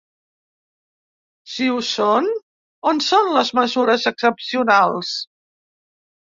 Si ho són, on són les mesures excepcionals?